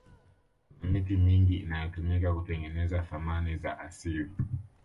kuna miti mingi inayotumika kutengeneza thamani za asili